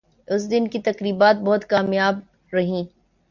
اس دن کی تقریبات بہت کامیاب رہیں